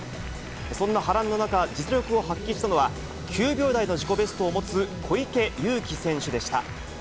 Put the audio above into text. そんな波乱の中、実力を発揮したのは、９秒台の自己ベストを持つ小池祐貴選手でした。